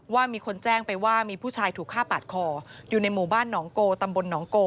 ว่ามีคนแจ้งไปว่ามีผู้ชายถูกฆ่าปาดคออยู่ในหมู่บ้านหนองโกตำบลหนองโก